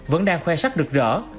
vẫn đang khoe sắp được rỡ